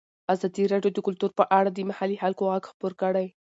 ازادي راډیو د کلتور په اړه د محلي خلکو غږ خپور کړی.